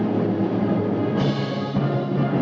lagu kebangsaan indonesia raya